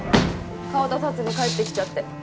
顔出さずに帰ってきちゃって。